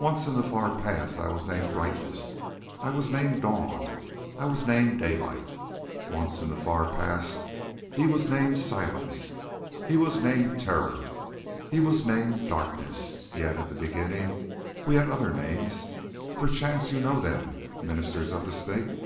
"Once in the far past I was named Brightness, I was named Dawn, I was named Daylight. Once in the far past he was named Silence, he was named Terror, he was named Darkness. Yet at the beginning we had other names. Perchance ye know them, Ministers of the Snake."